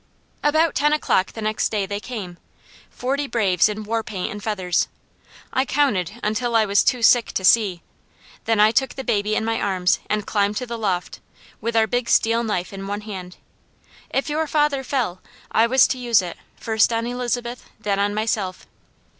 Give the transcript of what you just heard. "About ten o'clock the next day they came, forty braves in war paint and feathers. I counted until I was too sick to see, then I took the baby in my arms and climbed to the loft, with our big steel knife in one hand. If your father fell, I was to use it, first on Elizabeth, then on myself.